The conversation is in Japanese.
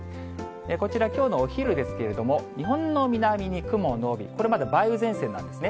こちら、きょうのお昼ですけれども、日本の南に雲の帯、これまだ梅雨前線なんですね。